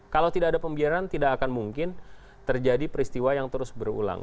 kalau tidak ada pembiaran tidak akan mungkin terjadi peristiwa yang terus berulang